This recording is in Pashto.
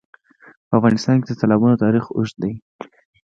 په افغانستان کې د تالابونه تاریخ اوږد دی.